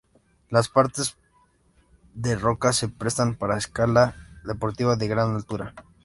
Las paredes de roca se prestan para escalada deportiva de gran altura.